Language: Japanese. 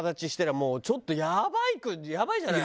もうちょっとやばいじゃない。